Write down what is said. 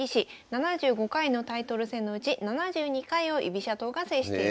７５回のタイトル戦のうち７２回を居飛車党が制しています。